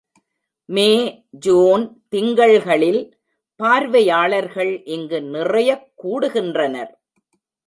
மே, June திங்கள்களில் பார்வையாளர்கள் இங்கு நிறையக் கூடுகின்றனர்.